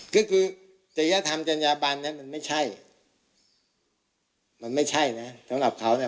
ก็คือจริยธรรมจัญญาบันนั้นมันไม่ใช่มันไม่ใช่นะสำหรับเขาเนี่ย